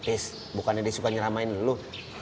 is bukannya dia suka nyeramahin lo